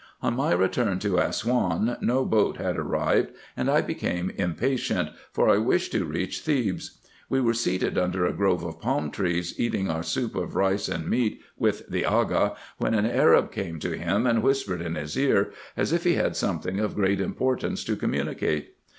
On my return to Assouan, no boat had arrived, and I became impatient, for I wished to reach Thebes. We were seated under a grove of palm trees, eating our soup of rice and meat with the Aga, when an Arab came to him, and whispered in his ear, as if he had something of great importance to communicate.